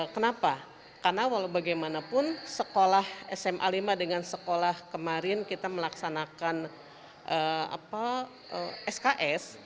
kenapa karena walau bagaimanapun sekolah sma lima dengan sekolah kemarin kita melaksanakan sks